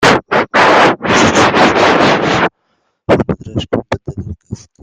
Son livre reste la référence sur les gorilles.